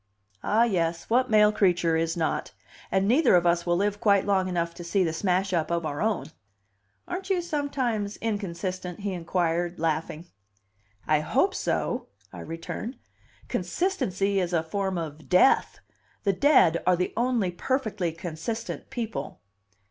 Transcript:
"Ah, yes! What male creature is not? And neither of us will live quite long enough to see the smash up of our own." "Aren't you sometimes inconsistent?" he inquired, laughing. "I hope so," I returned. "Consistency is a form of death. The dead are the only perfectly consistent people."